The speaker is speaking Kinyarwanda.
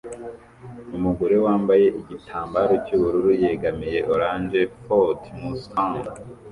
Umugore wambaye igitambaro cyubururu yegamiye orange Ford Mustang